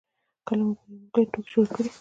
کله مو پر یو ملګري ټوکې شروع کړې.